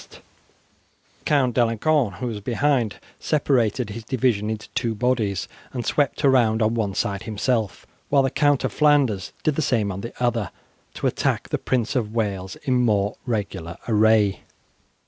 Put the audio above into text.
The Count D'Alencon, who was behind, separated his division into two bodies, and swept round on one side himself, while the Count of Flanders did the same on the other to attack the Prince of Wales in more regular array.